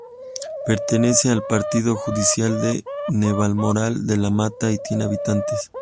Pertenece al partido judicial de Navalmoral de la Mata y tiene habitantes.